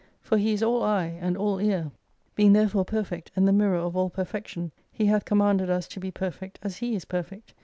For He is all eye and all ear. Being there fore perfect, and the mirror of all perfection, He hath commanded us to be perfect as He is perfect.